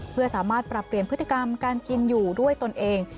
เพื่อสามารถปรับเปลี่ยนพฤติกรรมการกินอยู่ด้วยตนเอง